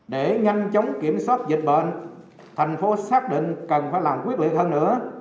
để nhanh chóng kiểm soát dịch bệnh thành phố xác định cần phải làm quyết liệt hơn nữa